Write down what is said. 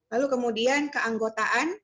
dan kemudian keanggotaan